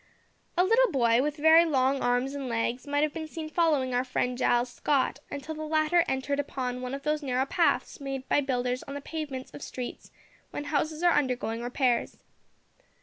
A little boy, with very long arms and legs, might have been seen following our friend Giles Scott, until the latter entered upon one of those narrow paths made by builders on the pavements of streets when houses are undergoing repairs.